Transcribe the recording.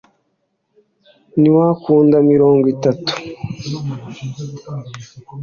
ntiwakunda mirongo itatu